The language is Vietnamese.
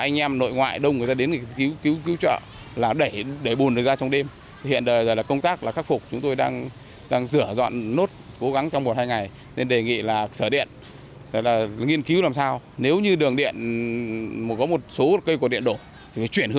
nó làm lại anh em nội ngoại đông ra đến để cứu trợ